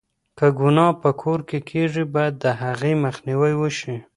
که گناه په کور کې کېږي، بايد د هغې مخنيوی وشي.